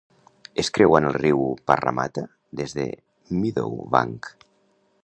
És creuant el riu Parramatta des de Meadowbank.